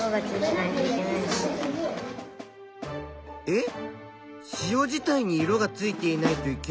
えっ？